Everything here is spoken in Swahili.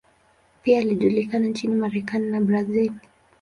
Pia alijulikana nchini Marekani na Brazil.